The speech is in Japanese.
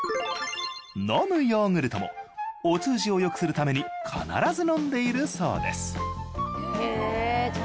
飲むヨーグルトもお通じをよくするために必ず飲んでいるそうです